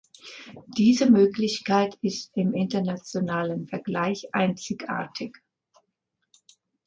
Diese Möglichkeit ist im internationalen Vergleich einzigartig.